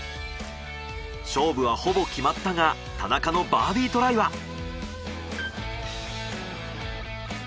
勝負はほぼ決まったが田中のバーディトライは？